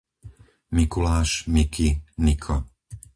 Mikuláš, Miki, Niko